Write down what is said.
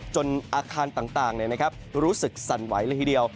อาคารต่างรู้สึกสั่นไหวเลยทีเดียว